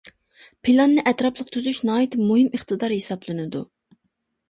پىلاننى ئەتراپلىق تۈزۈش ناھايىتى مۇھىم ئىقتىدار ھېسابلىنىدۇ.